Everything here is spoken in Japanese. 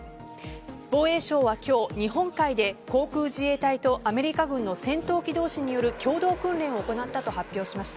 防衛省は今日、日本海で航空自衛隊とアメリカ軍の戦闘機同士による共同訓練を行ったと発表しました。